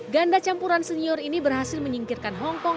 ganda campuran senior ini berhasil menyingkirkan hongkong